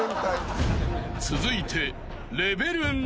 ［続いて］